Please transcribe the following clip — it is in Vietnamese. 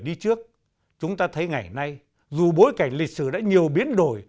đi trước chúng ta thấy ngày nay dù bối cảnh lịch sử đã nhiều biến đổi